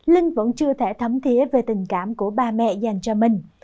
linh vẫn chưa thể thấm thiế về tình cảm của bà mẹ dành cho mình